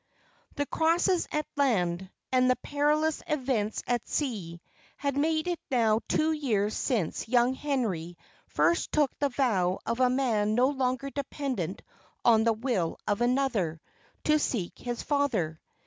The crosses at land, and the perilous events at sea, had made it now two years since young Henry first took the vow of a man no longer dependent on the will of another, to seek his father.